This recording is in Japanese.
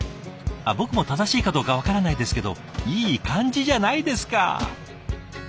僕も正しいかどうか分からないですけどいい感じじゃないですか！